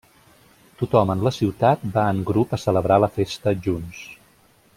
Tothom en la ciutat va en grup a celebrar la festa junts.